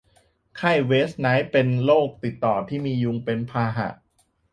ไข้เวสต์ไนล์เป็นโรคติดต่อที่มียุงเป็นพาหะ